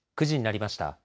９時になりました。